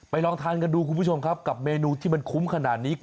ลองทานกันดูคุณผู้ชมครับกับเมนูที่มันคุ้มขนาดนี้